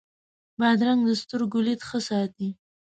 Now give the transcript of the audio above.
بادرنګ د سترګو لید ښه ساتي.